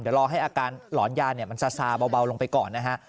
เดี๋ยวรอให้อาการหลอนยาเนี่ยมันซาเบาลงไปก่อนนะฮะ